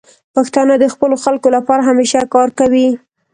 پښتانه د خپلو خلکو لپاره همیشه کار کوي.